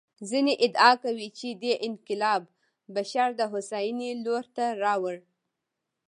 ځینې ادعا کوي چې دې انقلاب بشر د هوساینې لور ته راوړ.